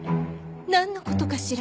「なんの事かしら？」。